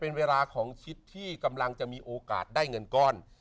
เป็นเวลาของชิดที่กำลังจะมีโอกาสได้เงินก้อน